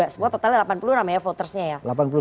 semua totalnya delapan puluh enam ya votersnya ya